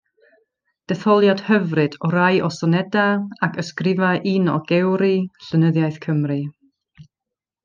Detholiad hyfryd o rai o sonedau ac ysgrifau un o gewri llenyddiaeth Cymru.